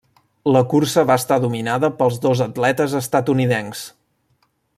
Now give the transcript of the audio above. La cursa va estar dominada pels dos atletes estatunidencs.